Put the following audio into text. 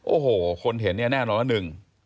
โอ้โห้คนเห็นแน่นอนแล้วนึง